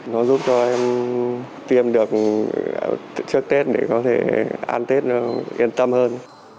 nó giúp cho em tiêm được trước tết để có thể an tết yên tâm hơn